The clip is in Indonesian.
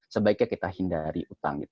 sebaiknya kita hindari hutang